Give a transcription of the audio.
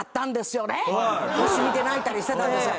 星見て泣いたりしてたんですが。